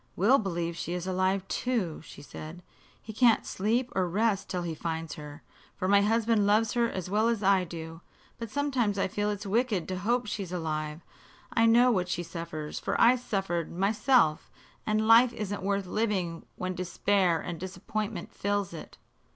"Will believes she is alive, too," she said. "He can't sleep or rest till he finds her, for my husband loves her as well as I do. But sometimes I feel it's wicked to hope she is alive. I know what she suffers, for I suffered, myself; and life isn't worth living when despair and disappointment fills it."